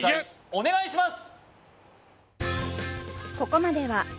お願いします